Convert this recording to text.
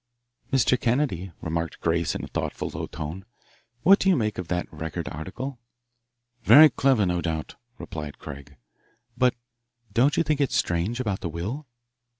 "Mr. Kennedy," remarked Grace in a thoughtful, low tone, "what do you make of that Record article?" "Very clever, no doubt," replied Craig. "But don't you think it strange about the will?"